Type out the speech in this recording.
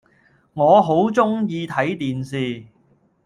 我好鍾意睇電視